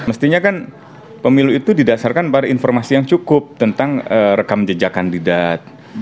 mestinya kan pemilu itu didasarkan pada informasi yang cukup tentang rekam jejak kandidat